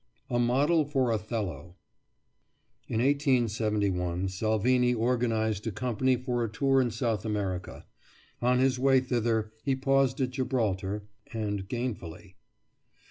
A MODEL FOR OTHELLO [In 1871, Salvini organised a company for a tour in South America, On his way thither he paused at Gibraltar, and gainfully.